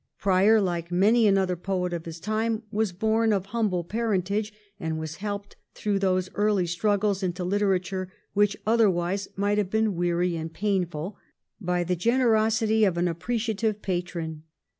Prior, like many another poet of his time, was born of humble parentage and was helped through those early struggles into litera ture, which otherwise might have been weary and painful, by the generosity of an appreciative patron.